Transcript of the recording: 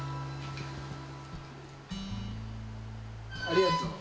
ありがとう。